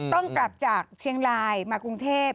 ต้องกลับจากเชียงรายมากรุงเทพ